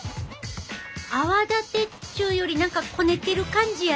泡立てっちゅうより何かこねてる感じやな。